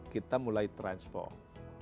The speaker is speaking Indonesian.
kita mulai transform